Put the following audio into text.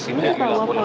terima kasih pak